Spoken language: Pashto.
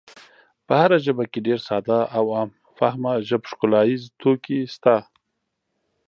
په هره ژبه کې ډېر ساده او عام فهمه ژب ښکلاییز توکي شته.